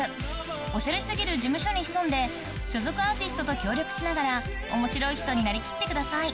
オシャレすぎる事務所に潜んで所属アーティストと協力しながら面白い人になりきってください